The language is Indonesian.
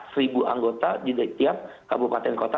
seribu anggota di tiap kabupaten kota